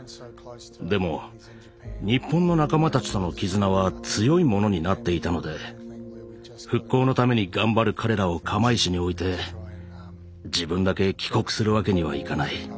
でも日本の仲間たちとの絆は強いものになっていたので復興のために頑張る彼らを釜石に置いて自分だけ帰国するわけにはいかない。